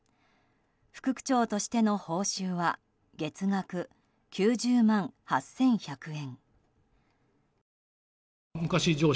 副区長としての報酬は月額９０万８１００円。